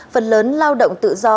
phần lớn lao động tự do